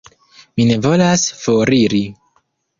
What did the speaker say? Mi ne volas foriri.